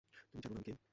তুমি জানো না আমি কে।